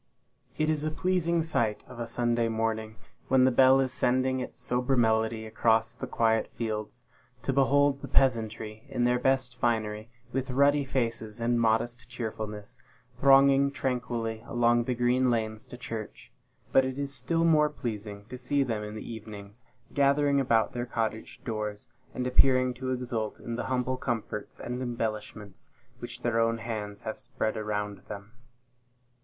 It is a pleasing sight, of a Sunday morning, when the bell is sending its sober melody across the quiet fields, to behold the peasantry in their best finery, with ruddy faces, and modest cheerfulness, thronging tranquilly along the green lanes to church; but it is still more pleasing to see them in the evenings, gathering about their cottage doors, and appearing to exult in the humble comforts and embellishments which their own hands have spread around them.